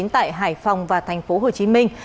tại hải phòng và thành phố hồ chí minh